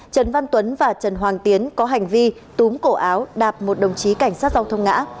trần văn tuấn và trần hoàng tiến có hành vi túm cổ áo đạp một đồng chí cảnh sát giao thông ngã